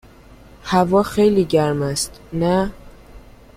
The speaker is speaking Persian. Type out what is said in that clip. هوا خیلی گرم است، نه؟